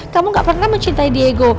kamu gak pernah mencintai diego